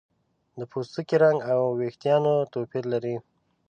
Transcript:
د پوستکي رنګ او ویښتان توپیر لري.